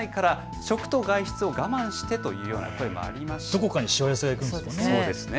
どこかにしわ寄せが行くんですね。